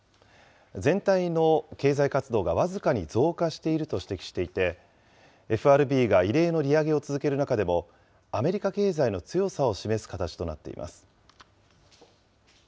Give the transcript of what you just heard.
全体の経済活動が僅かに増加していると指摘していて、ＦＲＢが異例の利上げを続ける中でも、アメリカ経済の強さを示す形となっています。